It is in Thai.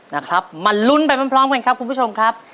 นะครับมาลุ้นไปพร้อมกันครับคุณผู้ชมครับ